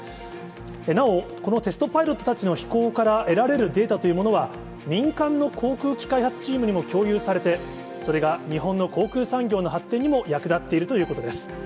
なお、このテストパイロットたちの飛行から得られるデータというものは、民間の航空機開発チームにも共有されて、それが日本の航空産業の発展にも役立っているということです。